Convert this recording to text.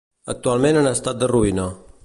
Actualment en estat de ruïna.